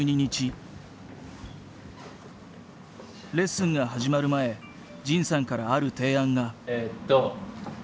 レッスンが始まる前仁さんからある提案が。